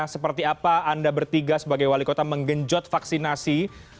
seperti apa anda bertiga sebagai wali kota menggenjot vaksinasi